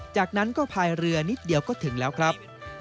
จากนั้นก็พายเรือนิดเดียวก็ถึงแล้วครับ